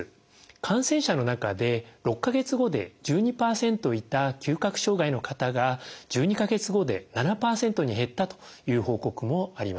感染者の中で６か月後で１２％いた嗅覚障害の方が１２か月後で７％に減ったという報告もあります。